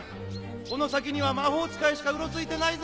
この先には魔法使いしかうろついてないぜ。